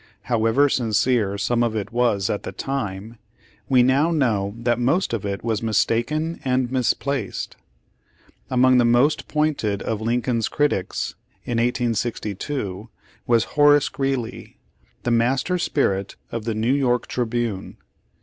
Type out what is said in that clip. However sincere some of it was at the time, we now know that most of it was mistaken and misplaced. Among the most pointed of Lincoln's critics in 1862 was Horace Greeley, the master spirit of the New York Tribune.